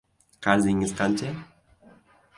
– Qarzingiz qancha?